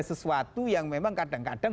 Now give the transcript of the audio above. sesuatu yang memang kadang kadang